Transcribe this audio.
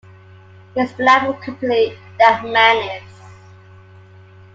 He’s delightful company, that man is.